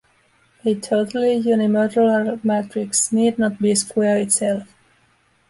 A totally unimodular matrix need not be square itself.